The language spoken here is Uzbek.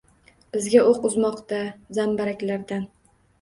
Bizga o’q uzmoqqa zambaraklardan.